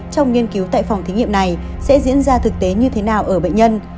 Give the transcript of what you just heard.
trong nghiên cứu tại phòng thí nghiệm này sẽ diễn ra thực tế như thế nào ở bệnh nhân